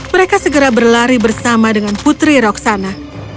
mereka segera berlari bersama dengan putri roksana